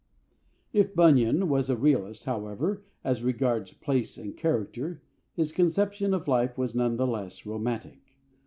If Bunyan was a realist, however, as regards place and character, his conception of life was none the less romantic.